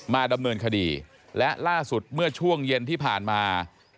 ดำเนินคดีและล่าสุดเมื่อช่วงเย็นที่ผ่านมา